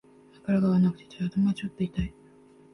枕が合わなくて頭がちょっと痛い